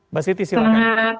mbak siti silahkan